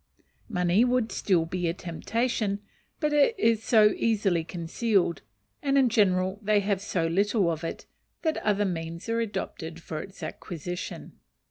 Money would still be a temptation; but it is so easily concealed, and in general they have so little of it, that other means are adopted for its acquisition.